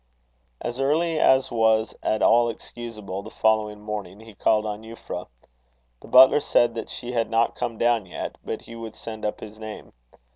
As early as was at all excusable, the following morning, he called on Euphra. The butler said that she had not come down yet, but he would send up his name.